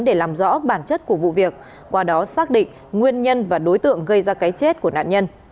để làm rõ bản chất của vụ việc qua đó xác định nguyên nhân và đối tượng gây ra cái chết của nạn nhân